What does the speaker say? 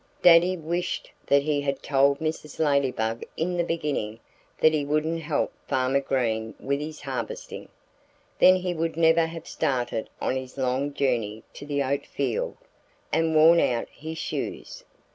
Daddy wished that he had told Mrs. Ladybug in the beginning that he wouldn't help Farmer Green with his harvesting. Then he would never have started on his long journey to the oat field and worn out his shoes.